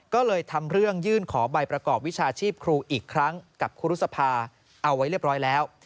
ก็เลยทำเรื่องยื่นขอใบประกอบวิชาชีพครูอีกครั้งกับครูรุษภาเอาไว้เรียบร้อยแล้ว